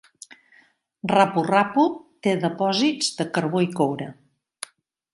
Rapu-Rapu té depòsits de carbó i coure.